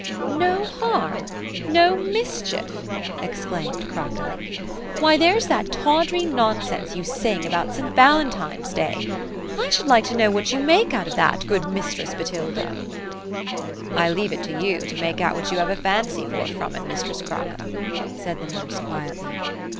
*' No harm? no mischief?" exclaimed Kraka ; '*why. there's that tawdry nonsense you sing about St. Valentine's day. I should like to know what you make out of that ; good mistress Botilda?" " I leave it to yon, to make out what you have a fancy for from it. mistress Kraka ;" said the nurse quietly.